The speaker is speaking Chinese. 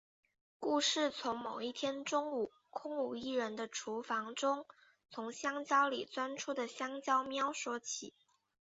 故事从某一天中午空无一人的厨房中从香蕉里钻出的香蕉喵说起。